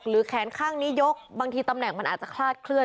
แขนข้างนี้ยกบางทีตำแหน่งมันอาจจะคลาดเคลื